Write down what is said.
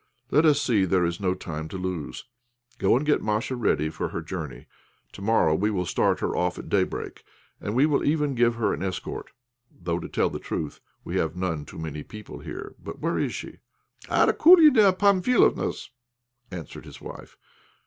"Let us see, there is no time to lose. Go and get Masha ready for her journey; to morrow we will start her off at daybreak, and we will even give her an escort, though, to tell the truth, we have none too many people here. But where is she?" "At Akoulina Pamphilovna's," answered his wife.